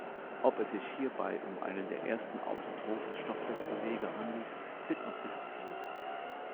Ob es sich hierbei um einen der ersten autotrophen Stoffwechselwege handelt, wird noch diskutiert.